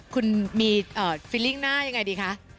คุณมีความรู้สึกหน้าอย่างไรดีคะ